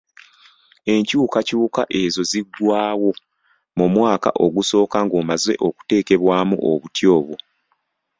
Enkyukakyuka ezo ziggwaawo mu mwaka ogusooka ng'omaze okuteekebwamu obuti obwo.